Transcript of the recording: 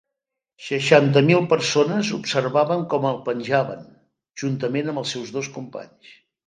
Seixanta mil persones observaven com el penjaven juntament amb els seus dos companys.